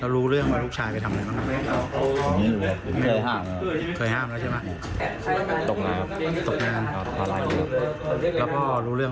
ลูกบอกว่าไม่มีใครรู้เลย